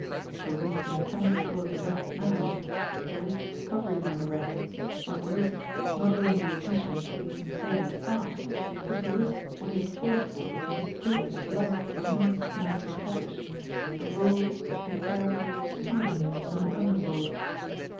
To risk the attempt to follow the Rat now, to risk discovery by the Rat, was to risk, not only the admission that he had been playing a part, but to risk what he had fought for and staked his life for months now to establish the role, the character of "Smarlinghue" in the underworld.